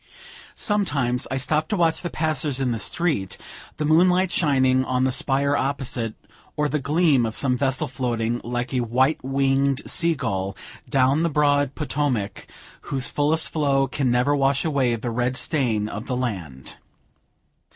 Sometimes I stopped to watch the passers in the street, the moonlight shining on the spire opposite, or the gleam of some vessel floating, like a white winged sea gull, down the broad Potomac, whose fullest flow can never wash away the red stain of the land.